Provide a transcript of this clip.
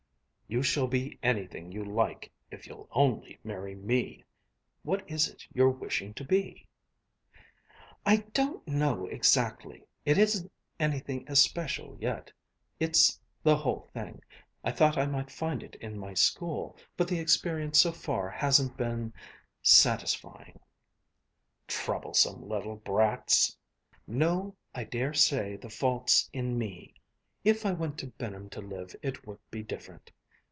"You shall be anything you like, if you'll only marry me. What is it you're wishing to be?" "I don't know exactly. It isn't anything especial yet. It's the whole thing. I thought I might find it in my school, but the experience so far hasn't been satisfying." "Troublesome little brats!" "No, I dare say the fault's in me. If I went to Benham to live it would be different.